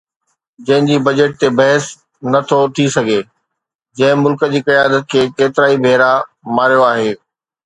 جنهن جي بجيٽ تي بحث نه ٿو ٿي سگهي، جنهن ملڪ جي قيادت کي ڪيترائي ڀيرا ماريو آهي